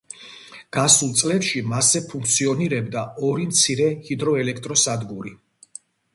გასულ წლებში მასზე ფუნქციონირებდა ორი მცირე ჰიდროელექტროსადგური.